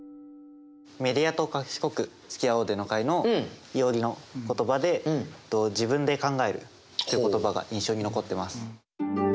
「メディアとかしこくつきあおう」での回のいおりの言葉で「自分で考える」って言葉が印象に残ってます。